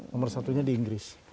nomor satunya di inggris